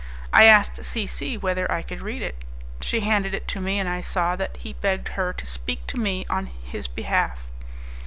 I asked C C whether I could read it; she handed it to me, and I saw that he begged her to speak to me in his behalf.